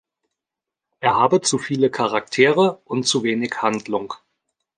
Er habe zu viele Charaktere und zu wenig Handlung.